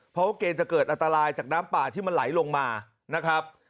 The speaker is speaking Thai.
เพราะว่าเกรงจะเกิดอันตรายจากน้ำป่าที่มันไหลลงมานะครับ